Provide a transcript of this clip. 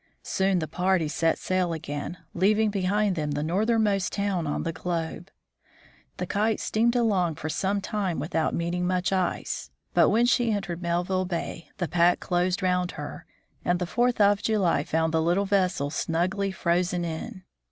Soon the party set sail again, leaving behind them the northernmost town on the globe. The Kite steamed along for some time without meeting much ice, but when 133 134 THE FROZEN NORTH she entered Melville bay the pack closed round her, and the 4th of July found the little vessel snugly frozen in.